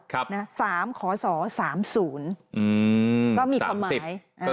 ๓๓๐ก็มีความหมาย